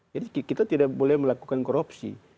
jadi kita tidak boleh melakukan korupsi